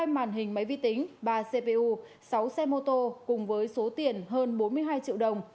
hai màn hình máy vi tính ba cpu sáu xe mô tô cùng với số tiền hơn bốn mươi hai triệu đồng